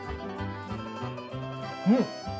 うん！